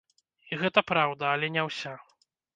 І гэта праўда, але не ўся.